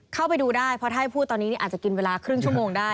เข้าไปดูได้เพราะถ้าให้พูดตอนนี้อาจจะกินเวลาครึ่งชั่วโมงได้